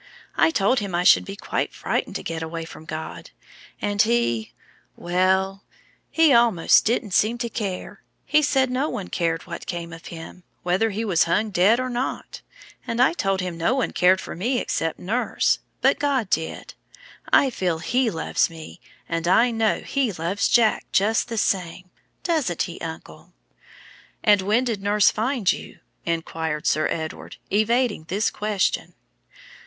I told him I should be quite frightened to get away from God, and he well, he almost didn't seem to care; he said no one cared what came of him, whether he was hung, dead, or not; and I told him no one cared for me much except nurse, but God did. I feel He loves me, and I know He loves Jack just the same; doesn't He, uncle?" "And when did nurse find you?" inquired Sir Edward, evading this question.